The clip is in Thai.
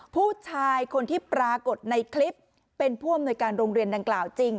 ผู้ชายคนที่ปรากฏในคลิปเป็นผู้อำนวยการโรงเรียนดังกล่าวจริง